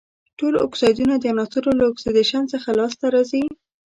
ټول اکسایدونه د عناصرو له اکسیدیشن څخه لاس ته راځي.